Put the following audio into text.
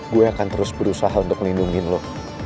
gue akan terus berusaha untuk melindungi lo